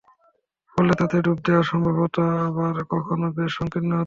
ফলে তাতে ডুব দেয়া সম্ভব হত আবার কখনো বেশ সংকীর্ণ হত।